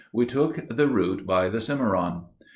We took the route by the Cimmaron.